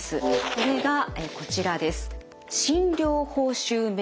それがこちらです。